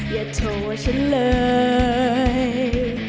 อย่าโทรฉันเลย